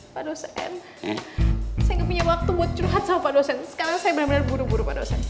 pak dosen saya punya waktu buat curhat sama dosen sekarang saya bener bener buru buru